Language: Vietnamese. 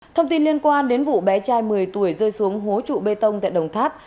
thông tin liên quan đến vụ bé trai một mươi tuổi rơi xuống hố trụ bê tông tại đồng tháp